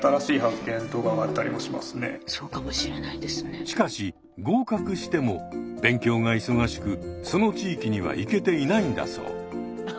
ほんとにしかし合格しても勉強が忙しくその地域には行けていないんだそう。